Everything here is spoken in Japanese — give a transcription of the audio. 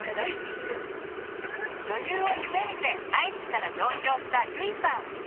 女優を夢みて愛知から上京したゆいさん。